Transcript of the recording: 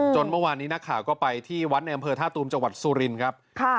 จนเมื่อวานนี้นักข่าก็ไปที่วันแอมเภอธาตุรมจังหวัดสุรินครับ